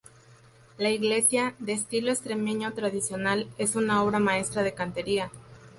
La iglesia, de estilo extremeño tradicional, es una obra maestra de cantería.